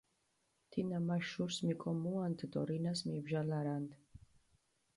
თინა მა შურს მიკომუანდჷ დო რინას მიბჟალარანდჷ.